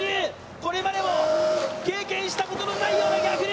これまでも経験したことのないような逆流。